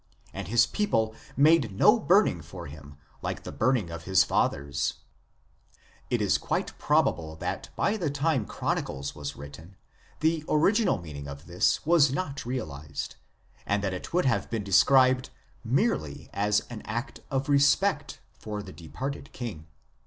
And his people made no burning for him, like the burning of his fathers." It is quite prob able that by the time Chronicles was written the original meaning of this was not realized, and that it would have been described as merely an act of respect for the departed king.